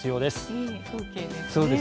いい風景ですね。